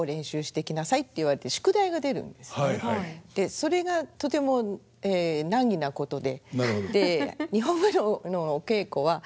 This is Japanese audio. それがとても難儀なことで。